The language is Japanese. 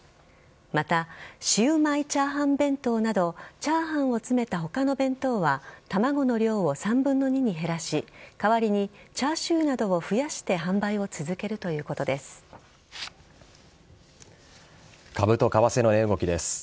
また、シウマイ炒飯弁当などチャーハンを詰めた他の弁当は卵の量を３分の２に減らし代わりにチャーシューなどを増やして株と為替の値動きです。